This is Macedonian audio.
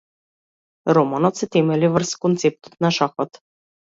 Романот се темели врз концептот на шахот.